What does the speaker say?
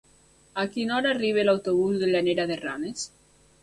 A quina hora arriba l'autobús de Llanera de Ranes?